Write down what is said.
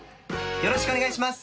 よろしくお願いします！